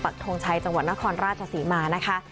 ปากโธงชัยจังหวัดนครราชสิตรีมานะคะ